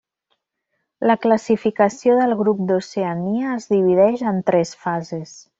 La classificació del grup d'Oceania es divideix en tres fases.